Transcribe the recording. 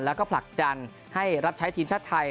แล้วก็ผลักดันให้รับใช้ทีมชาติไทย